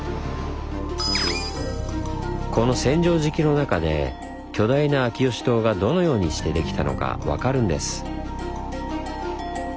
この千畳敷の中で巨大な秋芳洞がどのようにしてできたのか分かるんです。